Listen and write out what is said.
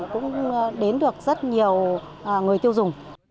cũng đến được rất nhiều